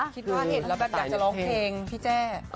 คิดว่าเห็นแล้วแบบอยากจะร้องเพลงพี่แจ้